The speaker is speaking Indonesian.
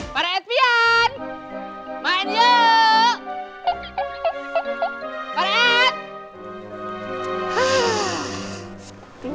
pak red pian